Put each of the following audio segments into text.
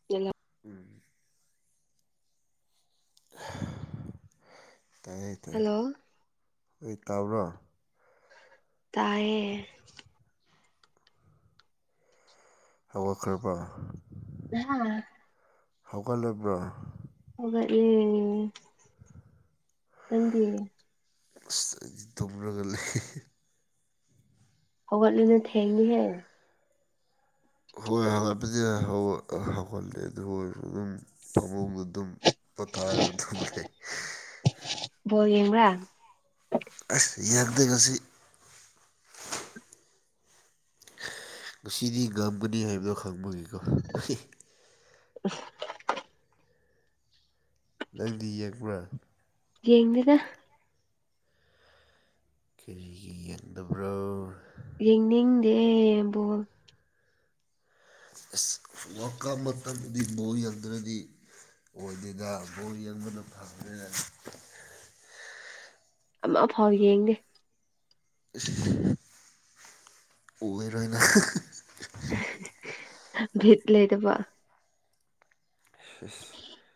[unintelligible] ꯎꯝ ꯇꯥꯏꯌꯦ ꯇꯥꯏ ꯍꯜꯂꯣ ꯑꯣꯏ ꯇꯥ꯭ꯕꯔꯣ ꯇꯥꯏꯌꯦ ꯍꯧꯒꯠꯈ꯭ꯔꯕ ꯅꯍꯥ ꯍꯧꯒꯠꯂꯕ꯭ꯔꯣ ꯍꯧꯒꯠꯂꯦ ꯅꯪꯗꯤ ꯑꯁ ꯑꯩꯗꯤ ꯇꯨꯝꯔꯒ ꯂꯩ ꯍꯤ ꯍꯤ ꯍꯧꯒꯠꯂꯤꯗꯣ ꯊꯦꯡꯉꯦꯍꯦ ꯍꯣꯏ ꯍꯧꯒꯠꯄꯗꯤ ꯍꯧ ꯍꯧꯒꯠꯂꯦ ꯑꯗꯨ ꯑꯣꯏꯔꯁꯨ ꯑꯗꯨꯝ ꯐꯃꯨꯡꯗ ꯗꯨꯝ ꯄꯣꯊꯥꯔꯒ ꯇꯨꯝ ꯂꯩ ꯕꯣꯜ ꯌꯦꯡꯕ꯭ꯔꯥ ꯑꯁ ꯌꯦꯡꯗꯦ ꯉꯁꯤ ꯉꯁꯤꯗꯤ ꯉꯝꯒꯅꯤ ꯍꯥꯏꯕꯗꯣ ꯈꯪꯕꯒꯤꯀꯣ ꯍꯦ [unintelligible] ꯅꯪꯗꯤ ꯌꯦꯡꯕ꯭ꯔꯥ ꯌꯦꯡꯗꯦꯗ ꯀꯔꯤꯒꯤ ꯌꯦꯡꯗꯕ꯭ꯔꯣ ꯌꯦꯡꯅꯤꯡꯗꯦ ꯕꯣꯜ ꯑꯁ ꯋꯥꯜ ꯀꯞ ꯃꯇꯝꯗꯤ ꯕꯣꯜ ꯌꯦꯡꯗ꯭ꯔꯗꯤ ꯑꯣꯏꯗꯦꯗ ꯕꯣꯜ ꯌꯦꯡꯕꯅ ꯐꯕꯅꯦ ꯑꯃ ꯐꯥꯎ ꯌꯦꯡꯗꯦ ꯑꯁ ꯑꯣꯏꯔꯣꯏ ꯅꯪ ꯍꯍ ꯍꯥ ꯕꯤꯠ ꯂꯩꯇꯕ ꯁꯤꯁ [inaudible]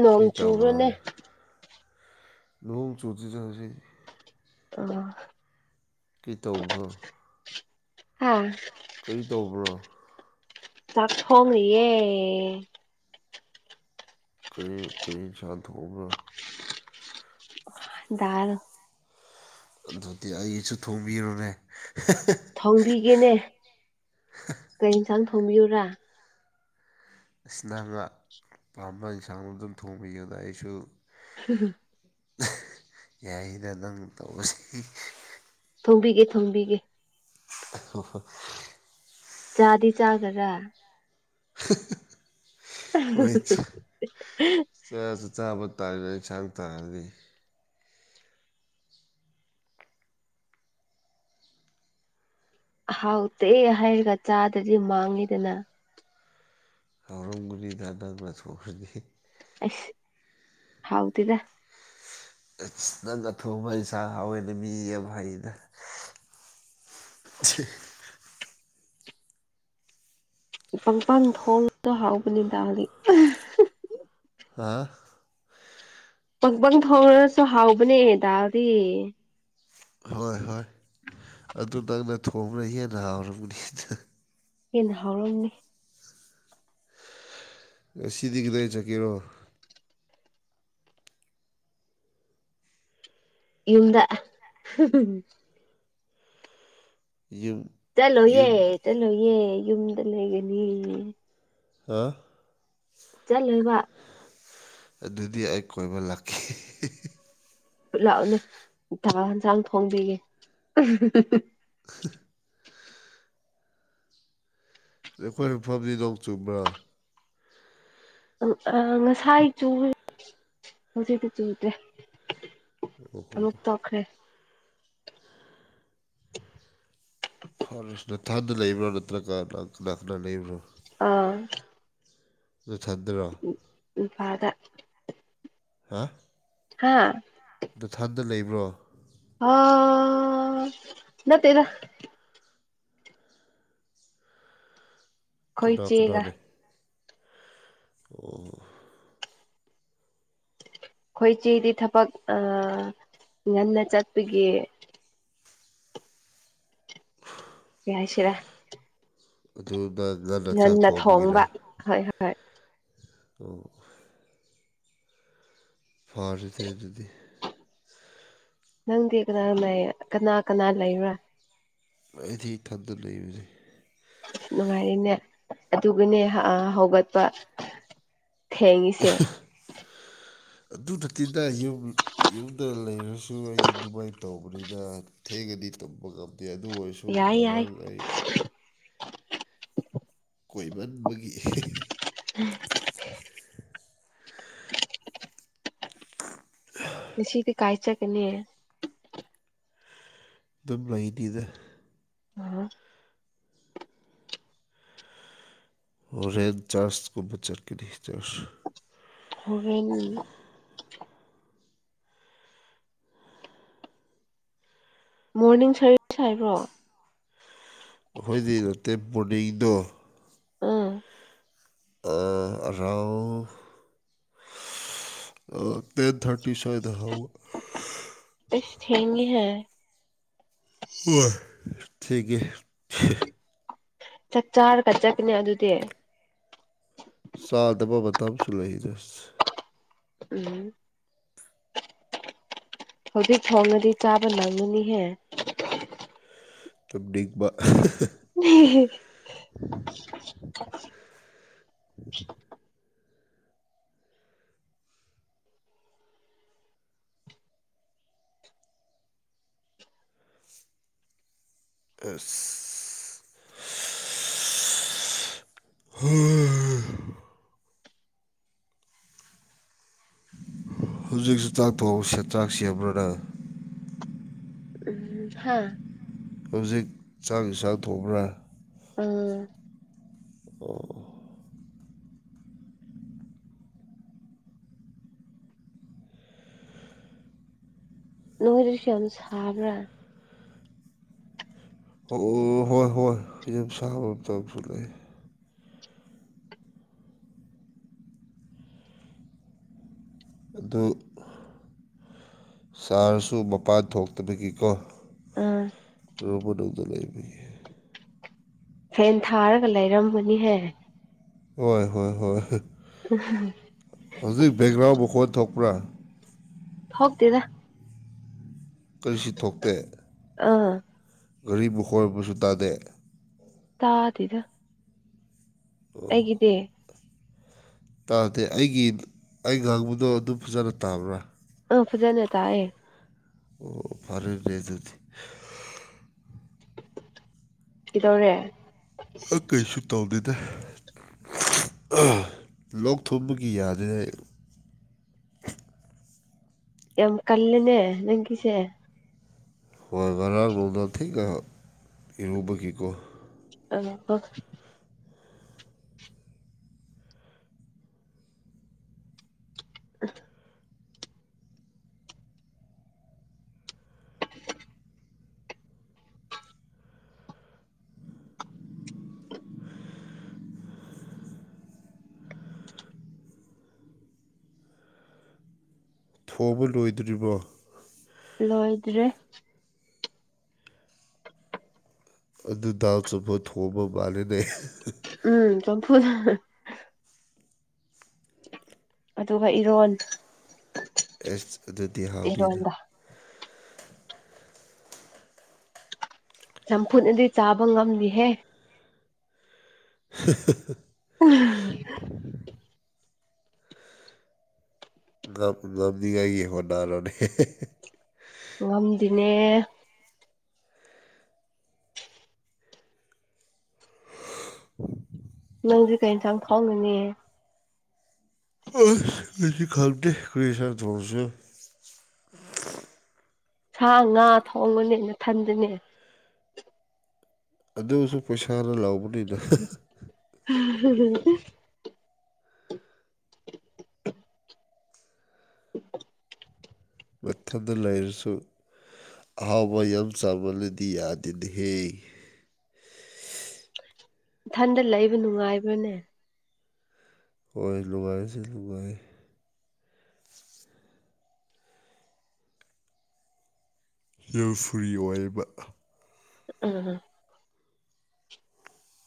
ꯅꯣꯡ ꯀꯔꯤ ꯆꯨꯕ꯭ꯔꯅꯦ ꯇꯧꯕ꯭ꯔꯣ ꯅꯣꯡ ꯆꯨꯨꯗꯦꯗ ꯍꯧꯖꯤꯛ ꯑꯥꯍ ꯀꯩ ꯇꯧꯕ꯭ꯔꯣ ꯍꯥ ꯀꯔꯤ ꯇꯧꯕ꯭ꯔꯣ ꯆꯥꯛ ꯊꯣꯡꯔꯤꯌꯦ ꯀꯔꯤ ꯀꯔꯤ ꯏꯟꯁꯥꯡ ꯊꯣꯡꯕ꯭ꯔꯣ ꯗꯥꯜ ꯑꯗꯨꯗꯤ ꯑꯩꯒꯤꯁꯨ ꯊꯣꯡꯕꯤꯔꯨꯅꯦ ꯍꯦꯍꯦ ꯊꯣꯡꯕꯤꯒꯦꯅꯦ ꯀꯩ ꯑꯦꯟꯁꯥꯡ ꯊꯣꯡꯕꯤꯌꯨꯔꯥ ꯏꯁ ꯅꯪꯔꯥ ꯄꯥꯝꯕ ꯏꯟꯁꯥꯡꯗꯨ ꯑꯗꯨꯝ ꯊꯣꯡꯕꯤꯌꯨꯗ ꯑꯩꯁꯨ ꯍꯨꯝ ꯍꯨꯝ ꯌꯥꯏꯌꯦꯗ ꯅꯪꯅ ꯇꯧꯕꯁꯤ ꯊꯣꯡꯕꯤꯒꯦ ꯊꯣꯡꯕꯤꯒꯦ [unintelligible] ꯆꯥꯗꯤ ꯆꯥꯒꯗ꯭ꯔ ꯍ ꯍ ꯑꯍ ꯍꯍ ꯍꯍ ꯆꯥꯁꯨ ꯆꯥꯕ ꯇꯥꯔꯦ ꯑꯦꯟꯁꯥꯡ ꯊꯣꯉꯗꯤ ꯍꯥꯎꯇꯦ ꯍꯥꯏꯔꯒ ꯆꯥꯗ꯭ꯔꯗꯤ ꯃꯥꯡꯉꯦꯗꯅ ꯍꯥꯎꯔꯝꯒꯅꯤꯗ ꯅꯪꯅ ꯊꯣꯡꯈꯔꯗꯤ ꯑꯁ ꯍꯥꯎꯇꯦꯗ ꯑꯁ ꯅꯪꯅ ꯊꯣꯡꯕ ꯑꯦꯟꯁꯥꯡ ꯍꯥꯎꯋꯦꯅ ꯃꯤ ꯌꯥꯝ ꯍꯥꯏꯌꯦꯗ [inaudible] ꯄꯪꯄꯥꯟ ꯊꯣꯡꯗ ꯍꯥꯎꯕꯅꯤ ꯍꯥ ꯄꯪꯄꯪ ꯊꯣꯡꯔꯁꯨ ꯍꯥꯎꯕꯅꯦ ꯗꯥꯎꯗꯤ ꯍꯣꯏ ꯍꯣꯏ ꯑꯗꯨ ꯅꯪꯅ ꯊꯣꯡꯕꯅ ꯍꯦꯟꯅ ꯍꯥꯎꯔꯝꯅꯤꯗ ꯍꯦꯟꯅ ꯍꯥꯎꯔꯝꯅꯤ ꯉꯁꯤꯗꯤ ꯀꯗꯥꯏ ꯆꯠꯀꯦꯔꯣ ꯌꯨꯝꯗ ꯌꯨꯝ ꯆꯠꯂꯣꯐꯌꯦ ꯌꯨꯝ ꯆꯠꯂꯣꯏꯌꯦ ꯌꯨꯝꯗ ꯂꯩꯒꯅꯤ ꯍꯥ ꯆꯠꯂꯣꯏꯕ ꯑꯗꯨꯗꯤ ꯑꯩ ꯀꯣꯏꯕ ꯂꯥꯛꯈꯤ ꯂꯥꯛꯑꯣꯅꯦ ꯇ ꯏꯟꯁꯥꯡ ꯊꯣꯡꯕꯤꯒꯦ [unintelligible] ꯑꯩꯈꯣꯏ ꯃꯐꯝꯗꯤ ꯅꯣꯡ ꯆꯨꯝꯕ꯭ꯔꯥ ꯉꯁꯥꯏ ꯆꯨ ꯍꯧꯖꯤꯛꯇꯤ ꯆꯨꯗ꯭ꯔꯦ ꯑꯗꯨꯝ ꯑꯣꯍꯣ ꯇꯣꯛꯈ꯭ꯔꯦ ꯐꯔꯦꯁ ꯅ ꯊꯟꯗ ꯂꯩꯕ꯭ꯔꯣ ꯅꯠꯇ꯭ꯔ ꯀꯥꯅ ꯀꯅꯥ ꯂꯩꯕ꯭ꯔꯣ ꯑꯥ ꯅꯊꯟꯗ꯭ꯔꯣ ꯏꯝꯐꯥꯜꯗ ꯍꯥꯥ ꯍꯥꯥ ꯅꯊꯟꯗ ꯂꯩꯕ꯭ꯔꯣ ꯑꯣ ꯅꯠꯇꯦꯗꯥ ꯑꯩꯈꯣꯏ ꯀꯅꯥ ꯀꯅꯥ ꯆꯦꯒ ꯂꯩ ꯑꯣ ꯑꯩꯈꯣꯏꯆꯦꯗꯤ ꯊꯕꯛ ꯉꯟꯅ ꯆꯠꯄꯒꯤ [inaudible] ꯌꯥꯁꯤꯔ ꯑꯗꯨꯅ ꯉꯟꯅ ꯆꯥꯛ ꯊꯣꯡꯕꯒꯤꯔ ꯊꯣꯡꯕ ꯍꯣꯏ ꯍꯣꯏ ꯐꯔꯦꯅꯦ ꯑꯗꯨꯗꯤ ꯅꯪꯗꯤ ꯀꯅꯥꯒ ꯂꯩ ꯀꯅꯥ ꯀꯅꯥ ꯂꯩꯕ꯭ꯔꯥ ꯑꯩꯗꯤ ꯏꯊꯟꯗ ꯂꯩꯕꯅꯦ ꯅꯨꯡꯉꯥꯏꯔꯤꯅꯦ ꯑꯗꯨꯒꯅꯦ ꯑꯥ ꯍꯧꯒꯠꯄ ꯊꯦꯡꯏꯁꯦ ꯑꯗꯨ ꯅꯠꯇꯦꯗ ꯌꯨꯝ ꯌꯨꯝꯗ ꯂꯩꯔꯁꯨ ꯑꯩ ꯑꯗꯨꯃꯥꯏꯅ ꯇꯧꯕꯅꯤꯅ ꯊꯦꯡꯒꯗꯤ ꯇꯨꯝꯕ ꯉꯝꯗꯦ ꯑꯗꯨ ꯑꯣꯏꯔꯁꯨ ꯁꯨ ꯌꯥꯏ ꯌꯥꯏ ꯚꯍꯜ ꯂꯩ ꯀꯣꯏꯕꯟꯕꯒꯤ [unintelligible] ꯑ ꯉꯁꯤꯗꯤ ꯀꯥꯏ ꯆꯠꯀꯅꯤ ꯗꯨꯝ ꯂꯩꯅꯤꯗ [unintelligible] ꯍꯣꯔꯦꯟ ꯆꯔ꯭ꯆꯒꯨꯝꯕ ꯆꯠꯀꯅꯤ ꯆꯔ꯭ꯆ ꯍꯣꯔꯦꯟꯒꯤ ꯃꯣꯔꯅꯤꯡ [unintelligible] ꯍꯥꯏꯕ꯭ꯔꯣ ꯑꯩꯈꯣꯏꯗꯤ ꯅꯠꯇꯦ ꯃꯣꯔꯅꯤꯡꯗꯣ ꯑꯥ ꯑꯥꯔꯥꯎꯟ ꯗꯦꯠ ꯊꯔꯇꯤ ꯁꯨꯋꯥꯏꯗ ꯍꯧ ꯑꯁ ꯊꯦꯡꯏ ꯍꯦ ꯍꯣꯏ ꯊꯦꯡꯑꯦ ꯆꯥꯛ ꯆꯥꯔꯒ ꯆꯠꯀꯥꯅꯦ ꯑꯗꯨꯗꯤ ꯆꯥꯗꯕ ꯃꯇꯝ ꯑꯃꯁꯨ ꯂꯩꯗ ꯎꯝ ꯍꯧꯖꯤꯛ ꯊꯣꯡꯅꯗꯤ ꯆꯥꯕ ꯅꯪꯒꯅꯤꯍꯦ ꯇꯨꯝꯅꯤꯡꯕ [unintelligible] [unintelligible] ꯍꯧꯖꯤꯛꯁꯨ ꯆꯥꯛ ꯊꯣꯡꯕ ꯏꯟꯁꯥꯡ ꯁꯦꯝꯕꯔꯥ ꯅꯪ ꯎꯝ ꯍꯥ ꯍꯧꯖꯤꯛ ꯆꯥꯛ ꯌꯦꯡꯁꯥꯡ ꯊꯣꯡꯄ꯭ꯔꯥ ꯎꯝ ꯑꯣ ꯅꯣꯏꯗꯁꯨ ꯌꯥꯝ ꯁꯥꯕ꯭ꯔꯥ ꯑꯣ ꯍꯣꯏ ꯍꯣꯏ ꯌꯥꯝ ꯁꯥꯕ ꯃꯥꯇꯝꯁꯨ ꯂꯩ ꯑꯗꯨ ꯁꯥꯔꯁꯨ ꯃꯄꯥꯟ ꯊꯣꯛꯇꯕꯒꯤꯀꯣ ꯑꯥ ꯔꯨꯝ ꯃꯅꯨꯡꯗꯥ ꯂꯩꯕꯒꯤ ꯐꯦꯟ ꯊꯥꯔꯒ ꯂꯩꯔꯝꯕꯅꯤꯍꯦ ꯍꯣꯏ ꯍꯣꯏ ꯍꯣꯏ [unintelligible] ꯍꯧꯖꯤꯛ ꯕꯦꯛꯒ꯭ꯔꯥꯎ ꯃꯈꯣꯟ ꯊꯣꯛꯄ꯭ꯔꯥ ꯊꯣꯛꯇꯦꯗꯥ ꯀꯔꯤꯁꯨ ꯊꯣꯛꯇꯦ ꯑꯥ ꯒꯥꯔꯤ ꯃꯈꯣꯟ ꯒꯨꯝꯕꯁꯨ ꯇꯥꯗꯦ ꯇꯥ ꯗꯦꯗ ꯑꯩꯒꯤꯗꯤ ꯇꯥꯗꯦ ꯑꯩꯒꯤ ꯑꯩ ꯉꯥꯡꯕꯗꯣ ꯑꯗꯨꯝ ꯐꯖꯅ ꯇꯥꯕ꯭ꯔꯥ ꯑꯥ ꯐꯖꯅ ꯇꯥꯌꯦ ꯑꯣ ꯐꯔꯦ ꯅꯦ ꯑꯗꯨꯗꯤ ꯀꯩꯗꯧꯔꯦ ꯀꯩꯁꯨ ꯇꯧꯗꯦꯗ ꯂꯣꯛ ꯊꯨꯝꯕꯒꯤ ꯌꯥꯗꯔꯦ ꯌꯥꯝ ꯀꯜꯂꯦꯅꯦ ꯅꯪꯒꯤꯁꯦ ꯍꯣꯏ ꯉꯔꯥꯡ ꯅꯣꯡꯗꯥꯡ ꯊꯦꯟꯅ ꯏꯔꯨꯕꯒꯤꯀꯣ [unintelligible] [unintelligible] [unintelligible] ꯊꯣꯕ ꯂꯣꯏꯗ꯭ꯔꯤꯕꯣ ꯂꯣꯏꯗ꯭ꯔꯤ ꯑꯗꯨ ꯗꯥꯎ ꯆꯨꯝꯄ ꯊꯣꯡꯕ ꯃꯥꯂꯦꯅꯦ ꯎꯝ ꯆꯝꯐꯨꯠ ꯑꯗꯨꯒ ꯏꯔꯣꯟ ꯑꯦꯁ ꯑꯗꯨꯗꯤ ꯍꯥꯎꯅꯤꯅ ꯏꯔꯣꯟꯕ ꯆꯝꯐꯨꯠꯅꯗꯤ ꯆꯥꯕ ꯉꯝꯅꯤꯍꯦ [unintelligible] [unintelligible] [unintelligible] ꯍꯣꯗꯔꯣꯅꯦ ꯉꯝꯗꯤꯅꯦ [unintelligible] ꯅꯪꯗꯤ ꯀꯩ ꯏꯟꯁꯥꯡ ꯊꯣꯡꯉꯅꯤ ꯑꯁ ꯑꯩꯗꯤ ꯈꯪꯗꯦ ꯀꯔꯤ ꯏꯟꯁꯥꯡ ꯊꯣꯡꯁꯤꯔꯥ ꯁꯥ ꯉꯥ ꯊꯣꯡꯕꯅꯦ ꯅꯊꯟꯗꯅꯦ ꯑꯗꯨꯁꯨ ꯄꯩꯁꯥꯅ ꯂꯥꯎꯕꯅꯤꯗ [unintelligible] [unintelligible] ꯃꯊꯟꯗ ꯂꯩꯔꯁꯨ ꯑꯍꯥꯎꯕ ꯌꯥꯝ ꯆꯥꯃꯜꯂꯗꯤ ꯌꯥꯗꯦꯅꯍꯦ ꯏꯊꯟꯗ ꯂꯩꯕ ꯅꯨꯡꯉꯥꯏꯕ꯭ꯔꯅꯦ ꯍꯣꯏ ꯅꯨꯡꯉꯥꯏꯁꯨ ꯅꯨꯡꯉꯥꯏ ꯌꯝ ꯐꯔꯤ ꯑꯣꯏꯕ ꯎꯝ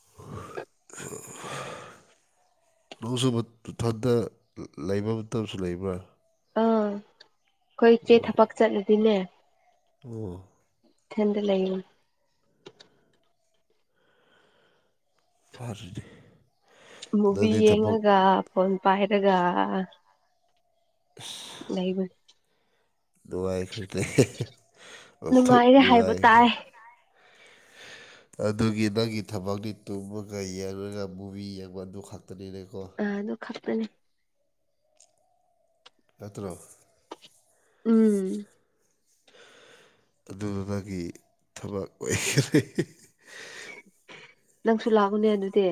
[unintelligible] ꯅꯪꯁꯨ ꯏꯊꯟꯗ ꯂꯩꯕ ꯃꯇꯝꯁꯨ ꯂꯩꯕ꯭ꯔꯥ ꯑꯥ ꯑꯩꯈꯣꯏ ꯏꯆꯦ ꯊꯕꯛ ꯆꯠꯂꯗꯤꯅꯦ ꯑꯣ ꯏꯊꯟꯗ ꯂꯩ ꯐꯔꯦ ꯃꯨꯚꯤ ꯌꯦꯡꯉꯒ ꯐꯣꯟ ꯄꯥꯏꯔꯒ ꯂꯩꯏꯕ ꯅꯨꯡꯉꯥꯏꯈ꯭ꯔꯦꯅꯦ ꯑꯣꯟꯊꯣꯛ ꯅꯨꯡꯉꯥꯏꯔꯦ ꯍꯥꯏꯕ ꯅꯨꯡꯉꯥꯏꯈ꯭ꯔꯦ ꯇꯥꯏ [unintelligible] ꯑꯗꯨꯒꯤ ꯅꯪꯒꯤ ꯊꯕꯛꯅꯤ ꯇꯨꯝꯃꯒ ꯌꯦꯡꯉꯒ ꯃꯨꯚꯤ ꯌꯦꯡꯕ ꯑꯗꯨ ꯈꯛꯇꯅꯤꯅꯦꯀꯣ ꯑ ꯑꯗꯨ ꯈꯛꯇꯅꯦ ꯆꯠꯇ꯭ꯔꯣ ꯎꯝ ꯑꯗꯨꯅ ꯃꯥꯒꯤ ꯊꯕꯛ ꯑꯣꯏꯈ꯭ꯔꯦ ꯅꯪꯁꯨ ꯂꯥꯛꯎꯅꯦ ꯑꯗꯨꯗꯤ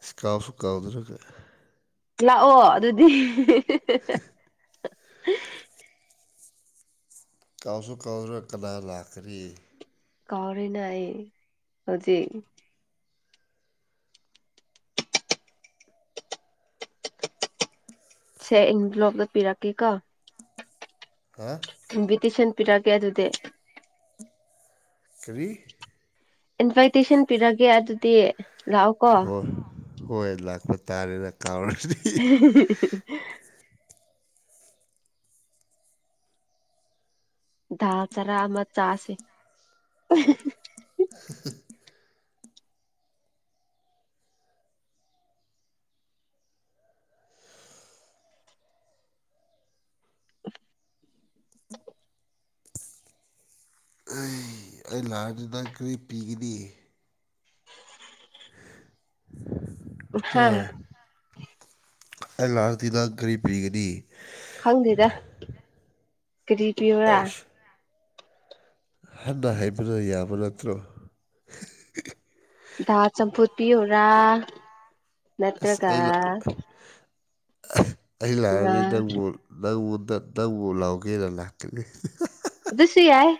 ꯑꯁ ꯀꯥꯎꯁꯨ ꯀꯥꯗꯨ꯭ꯔꯒ ꯂꯥꯛꯑꯣ ꯑꯗꯨꯗꯤ ꯀꯥꯎꯁꯨ ꯀꯥꯎꯗ꯭ꯔ ꯀꯅꯥ ꯂꯥꯛꯀꯅꯤ ꯀꯧꯔꯤꯅ ꯑꯩ ꯍꯧꯖꯤꯛ ꯁꯦ ꯑꯩ ꯂꯣꯇ ꯄꯤꯔꯛꯀꯦ ꯀꯣ ꯍꯥ ꯏꯟꯚꯤꯇꯦꯁꯟ ꯄꯤꯔꯛꯑꯒꯦ ꯑꯗꯨꯗꯤ ꯀꯔꯤ ꯏꯟꯚꯥꯏꯇꯦꯁꯟ ꯄꯤꯔꯒꯦ ꯑꯗꯨꯗꯤ ꯂꯥꯛꯑꯣ ꯀꯣ ꯍꯣꯏ ꯍꯣꯏ ꯂꯥꯛꯄ ꯇꯥꯔꯦꯗ ꯀꯥꯎꯔꯗꯤ [unintelligible] ꯗꯥꯥ ꯆꯔꯥ ꯑꯃ ꯆꯥꯁꯦ [unintelligible] ꯑꯩ ꯑꯩ ꯂꯥꯟꯁꯤꯗ ꯀꯔꯤ ꯄꯤꯒꯅꯤ ꯍꯥ ꯍ ꯑꯩ ꯂꯥꯛꯑꯇꯤꯗ ꯒꯥꯔꯤ ꯄꯤꯒꯅꯤ ꯈꯪꯗꯦꯗ ꯀꯔꯤ ꯄꯤꯕꯔꯥ ꯑꯁ ꯍꯟꯅ ꯍꯩꯕꯅ ꯌꯥꯕ ꯅꯠꯇ꯭ꯔꯣ ꯙꯥ ꯆꯝꯐꯨꯠ ꯄꯤꯣꯔꯥ ꯑꯁ ꯅꯠꯇ꯭ꯔꯒ ꯑꯩ ꯂꯥꯛ ꯑꯩ ꯉꯥ ꯂꯥꯛꯑꯗꯤ ꯅꯪꯕꯨ ꯅꯪ ꯅꯪꯕꯨ ꯂꯥꯎꯒꯦꯅ ꯂꯥꯛꯀꯅꯤ ꯑꯗꯨ ꯁꯤ ꯌꯥꯏ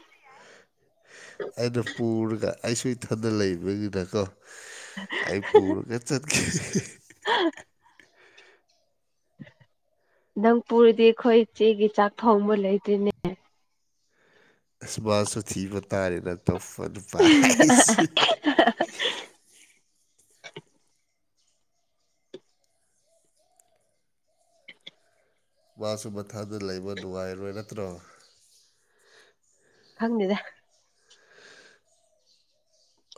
ꯑꯩꯅ ꯄꯨꯔꯒ ꯑꯩꯁꯨ ꯏꯊꯗ ꯂꯩꯕꯅꯤꯅꯀꯣ ꯑꯩ ꯄꯨꯔꯒ ꯆꯠ [unintelligible] ꯍꯥ ꯅꯪ ꯄꯨꯗꯤ ꯑꯩꯈꯣꯏ ꯏꯆꯦꯒꯤ ꯆꯥꯛ ꯊꯣꯡꯕ ꯂꯩꯇ꯭ꯔꯤꯅꯦ ꯑ ꯃꯥꯁꯨ ꯊꯤꯕ ꯇꯥꯔꯦꯅ ꯇꯣꯐꯅ ꯄꯥꯏꯁꯤ ꯃꯥꯁꯨ ꯃꯊꯥꯗ ꯂꯩꯕ ꯅꯨꯡꯉꯥꯏꯔꯣꯏ ꯅꯠꯇ꯭ꯔꯣ ꯍꯪꯅꯤꯗ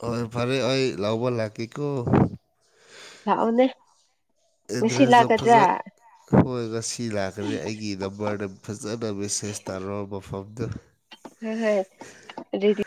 ꯍꯣꯏ ꯐꯔꯦ ꯑꯩ ꯂꯥꯎꯧꯕ ꯂꯥꯛꯀꯦꯀꯣ ꯂꯥꯛꯑꯣꯅꯦ ꯉꯁꯤ ꯑꯦꯗ꯭ꯔꯦꯁꯇꯣ ꯂꯥꯛꯀꯗ꯭ꯔꯥ ꯐꯖ ꯍꯣꯏ ꯉꯁꯤ ꯂꯥꯛꯀꯅꯤ ꯑꯩꯒꯤ ꯅꯝꯕꯔꯗ ꯐꯖꯅ ꯃꯦꯁꯦꯖ ꯇꯥꯔꯣ ꯃꯐꯝꯗꯨ ꯍ ꯍꯣꯏ ꯔꯔꯤꯗꯤ